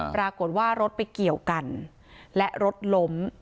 ปรากฏว่ารถไปเกี่ยวกันและรถล้ม